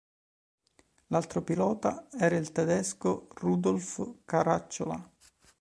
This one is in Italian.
L'altro pilota era il tedesco Rudolf Caracciola.